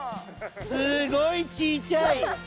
すごい小ちゃい。